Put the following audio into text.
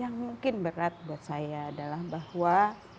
yang mungkin berat buat saya adalah bahwa